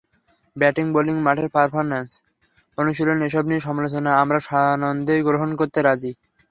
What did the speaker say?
Batting, bowling, মাঠের performance, অনুশীলন—এসব নিয়ে সমালোচনা আমরা সানন্দেই গ্রহণ করতে রাজি।